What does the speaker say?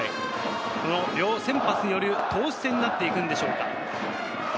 両先発による投手戦になっていくのでしょうか。